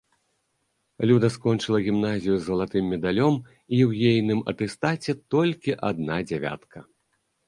Люда скончыла гімназію з залатым медалём і ў ейным атэстаце толькі адна дзявятка.